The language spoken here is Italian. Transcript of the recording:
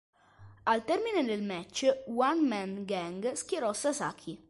Al termine del match, One Man Gang schienò Sasaki.